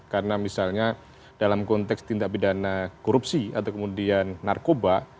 karena misalnya dalam konteks tindak pidana korupsi atau kemudian narkoba